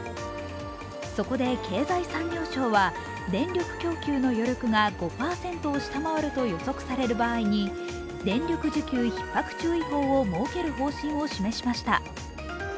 そこで、経済産業省は電力供給の余力が５％を下回ると予測される場合に電力需給ひっ迫注意報を設ける方針を示しました。